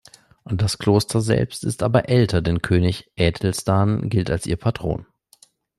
Das Kloster selbst ist aber älter, denn König Æthelstan gilt als ihr Patron.